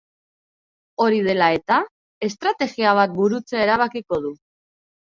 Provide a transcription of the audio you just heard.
Hori dela eta, estrategia bat burutzea erabakiko du.